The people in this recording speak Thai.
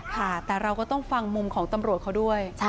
ค่ะแต่เราก็ต้องฟังมุมของตำรวจเขาด้วย